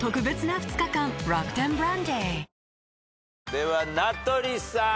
では名取さん。